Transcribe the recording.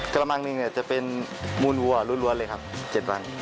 กระบังนี่จะเป็นมูนวัวรั้วเลยครับ๗วัน